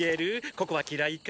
ここは嫌いか？